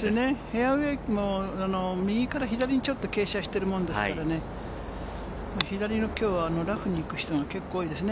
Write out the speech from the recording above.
フェアウエーの右から左にちょっと傾斜してるものですから、左のきょうはラフに行く人が結構、多いですね。